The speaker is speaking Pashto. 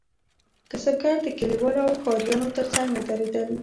کسبګر د کلیوالو او ښاریانو ترڅنګ ودریدل.